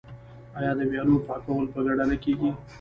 آیا د ویالو پاکول په ګډه نه کیږي؟